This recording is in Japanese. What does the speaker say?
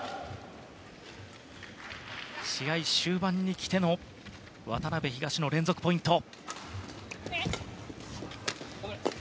試合終盤に来ての渡辺、東野連続ポイント。